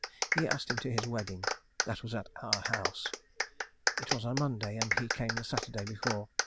He asked him to his wedding. That was at our house. It was on a Monday, and he came the Saturday before.